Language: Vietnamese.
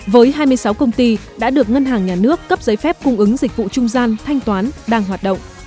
với hai mươi sáu công ty đã được ngân hàng nhà nước cấp giấy phép cung ứng dịch vụ trung gian thanh toán đang hoạt động